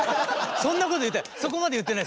そんなこと言ってない！